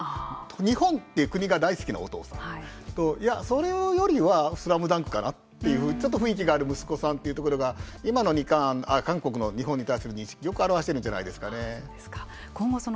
日本という国が大好きなお父さんといや、それよりはスラムダンクかなというちょっと雰囲気がある息子さんというところが今の日韓韓国の日本に対する認識をよく表しているんじゃないでしょうか。